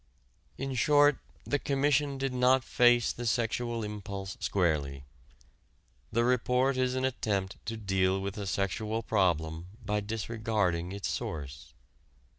In short, the Commission did not face the sexual impulse squarely. The report is an attempt to deal with a sexual problem by disregarding its source.